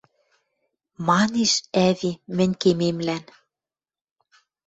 Манеш, ӓви, мӹнь кемемлӓн